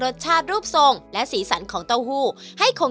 รสชาติรูปทรงและสีสันของเต้าหู้ให้คง